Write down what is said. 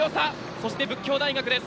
そして佛教大学です。